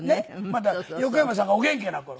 まだ横山さんがお元気な頃。